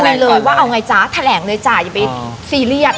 เลยว่าเอาไงจ๊ะแถลงเลยจ้ะอย่าไปซีเรียส